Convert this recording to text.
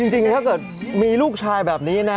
จริงถ้าเกิดมีลูกชายแบบนี้นะ